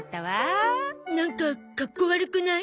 なんかかっこ悪くない？